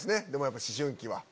やっぱ思春期は。